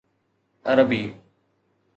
عربي